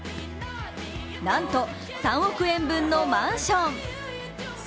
なんと３億円分のマンション！